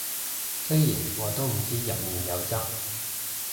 雖然我都唔知入面有汁